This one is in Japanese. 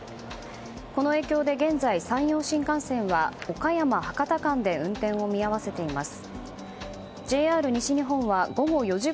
この影響で現在、山陽新幹線は岡山博多間で運転を見合わせています。